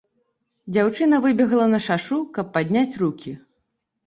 Дзяўчына выбегла на шашу, каб падняць рукі.